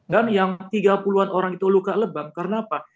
dan yang tiga puluh an orang itu luka lebam karena apa